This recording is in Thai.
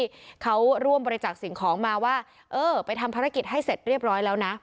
ที่เขาร่วมบริจาคสิ่งของมาว่าเออไปทำภารกิจให้เสร็จเรียบร้อยแล้วนะ